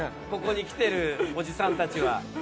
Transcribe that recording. ここに来てるおじさんたちは。